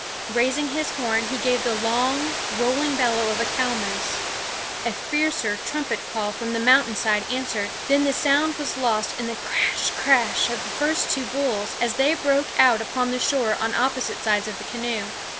Raising his horn he gave the long, rolling bellow of a cow moose. A fiercer trumpet call from the mountain side answered; then the sound was lost in the crash crash of the first two bulls, as they broke out upon the shore on opposite sides of the canoe.